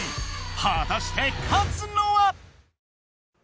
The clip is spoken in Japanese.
果たして勝つのは！？